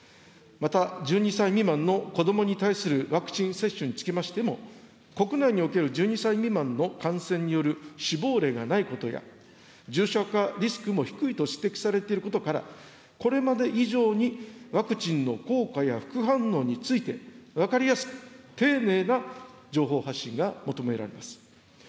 また、１２歳未満の子どもに対するワクチン接種につきましても、国内における１２歳未満の感染による死亡例がないことや、重症化リスクも低いと指摘されていることから、これまで以上にワクチンの効果や副反応について、分かりやすく丁寧な情報発信が求められます。